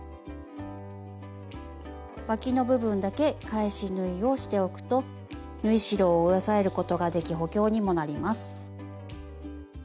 わきの部分だけ返し縫いをしておくと縫い代を押さえることができ補強にもなります。